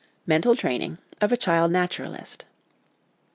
Mental Training of a Child Naturalist.